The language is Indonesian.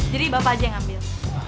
jadi bapak aja yang ambil